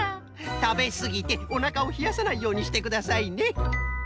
たべすぎておなかをひやさないようにしてくださいね。